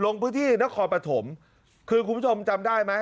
ลงพื้นที่นครปฐมคือคุณผู้ชมจำได้ไหม